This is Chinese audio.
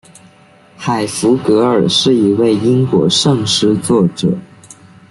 海弗格尔是一位英国圣诗作者。